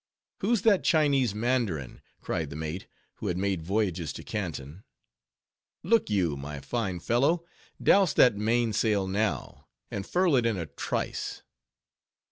"Who's that Chinese mandarin?" cried the mate, who had made voyages to Canton. "Look you, my fine fellow, douse that mainsail now, and furl it in a trice."